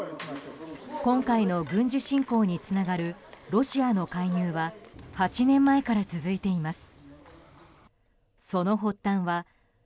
今回の軍事侵攻につながるロシアの介入は８年前から続いています。